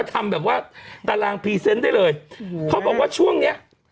ทำแบบว่าตารางพรีเซนต์ได้เลยอืมเขาบอกว่าช่วงเนี้ย